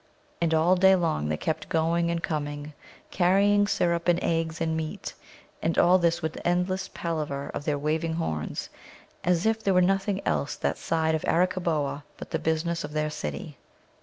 And all day long they kept going and coming, carrying syrup and eggs and meat, and all this with endless palaver of their waving horns, as if there were nothing else that side of Arakkaboa but the business of their city.